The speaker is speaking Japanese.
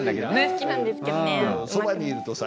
好きなんですけどね。